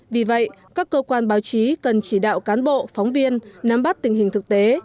vì vậy các cơ quan báo chí cần chỉ đạo cán bộ phóng viên nắm bắt tình hình thực tế